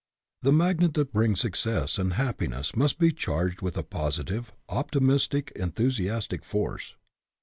The magnet that brings success and happiness must be charged with a positive, optimistic, enthusiastic force.